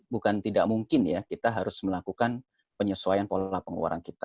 bukan tidak mungkin ya kita harus melakukan penyesuaian pola pengeluaran kita